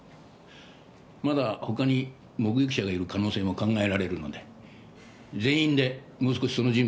まだ他に目撃者がいる可能性も考えられるので全員でもう少しその人物を絞ってみてくれ。